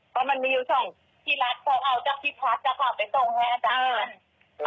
เพราะมันมีอยู่ช่องพี่รัสต้องเอาจากพี่พัสจากออกไปส่งให้อาจารย์มาเออ